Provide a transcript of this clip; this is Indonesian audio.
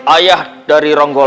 ayah dari ronggolawi